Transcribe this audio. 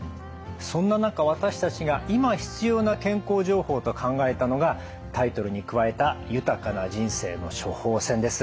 そんな中私たちが今必要な健康情報と考えたのがタイトルに加えた「豊かな人生の処方せん」です。